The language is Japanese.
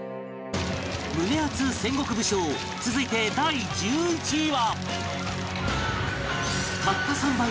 胸アツ戦国武将続いて第１１位は